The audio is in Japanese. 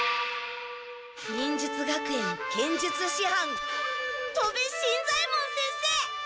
忍術学園剣術しはん戸部新左ヱ門先生！